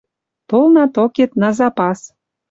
Толна токет «на запас».